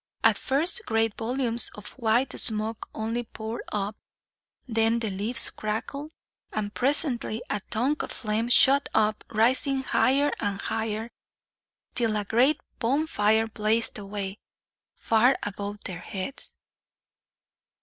At first great volumes of white smoke only poured up, then the leaves crackled, and presently a tongue of flame shot up, rising higher and higher, till a great bonfire blazed away, far above their heads.